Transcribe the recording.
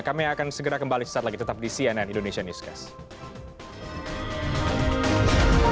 kami akan segera kembali sesaat lagi tetap di cnn indonesia newscast